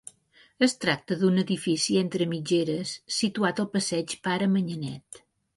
Es tracta d'un edifici entre mitgeres, situat al Passeig Pare Manyanet.